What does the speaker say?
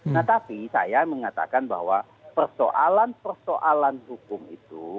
nah tapi saya mengatakan bahwa persoalan persoalan hukum itu